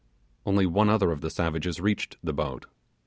Only one other of the savages reached the boat.